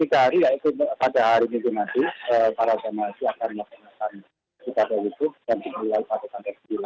tiga hari yaitu pada hari minggu nanti para jamaah haji akan menghubungkan sekat hukum dan dihubungkan pada tanggal sembilan